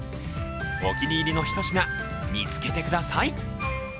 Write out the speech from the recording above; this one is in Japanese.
お気に入りの一品、見つけてください。